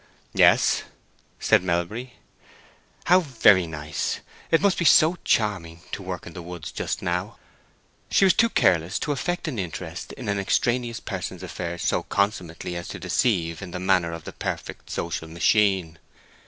"Yes," said Melbury. "How very nice! It must be so charming to work in the woods just now!" She was too careless to affect an interest in an extraneous person's affairs so consummately as to deceive in the manner of the perfect social machine.